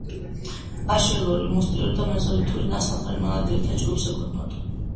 აშელური, მუსტიეური და მეზოლითური ნასახლარი მონადირეთა ჯგუფს ეკუთვნოდა.